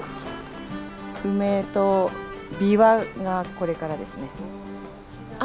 梅とびわがこれからですね。